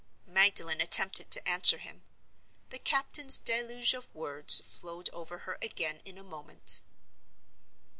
Magdalen attempted to answer him. The captain's deluge of words flowed over her again in a moment.